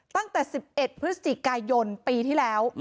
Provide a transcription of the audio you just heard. ตั้งแต่๑๑พฤศจิกายนปีที่แล้ว